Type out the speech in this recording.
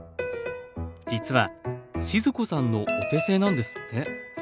実は静子さんのお手製なんですって。